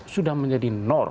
sudah menjadi norm